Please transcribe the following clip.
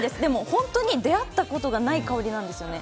本当に出会ったことのない香りなんです。